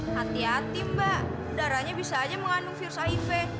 hati hati mbak udaranya bisa aja mengandung virus hiv